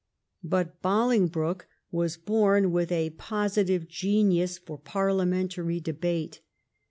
But Bohngbroke was born with a positive genius for parliamentary debate.